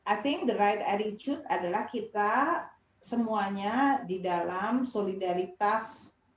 i think the right attitude adalah kita semuanya di dalam solidaritas